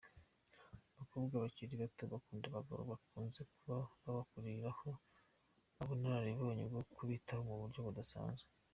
Abakobwa bakiri bato bakunda abagabo bakuze baba babakurikiraho ubunararibonye bwo kubitaho mu buryo budasanzwe.